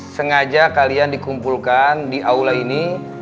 sengaja kalian dikumpulkan di aula ini